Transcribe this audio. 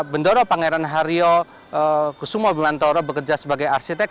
bendoro pangeran haryo kusumo bimantoro bekerja sebagai arsitek